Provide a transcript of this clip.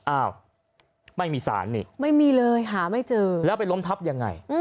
อ้าวไม่มีสารนี่ไม่มีเลยหาไม่เจอแล้วไปล้มทับยังไง